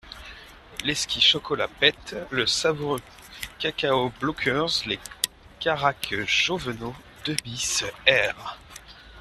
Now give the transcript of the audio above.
L'exquis chocolat Pette, le savoureux cacao Blookers, les caraques Joveneau, deux bis, r.